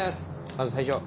まず最初。